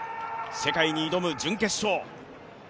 世界に挑む準決勝。